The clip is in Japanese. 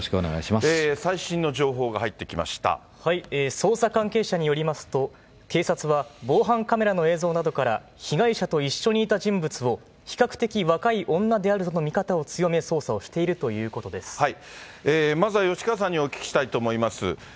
捜査関係者によりますと、警察は防犯カメラの映像などから被害者と一緒にいた人物を、比較的若い女であるとの見方を強め、捜査をしているということでまずは吉川さんにお聞きしたいと思います。